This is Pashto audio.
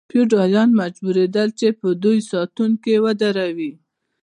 فیوډالان مجبوریدل چې په دوی ساتونکي ودروي.